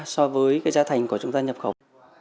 so với cái giá thành của chúng ta nhập khẩu